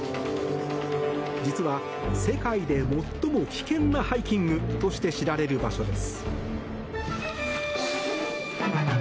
実は、世界で最も危険なハイキングとして知られる場所です。